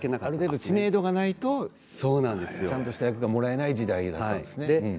知名度がないとちゃんとした役がもらえない時代なんですね。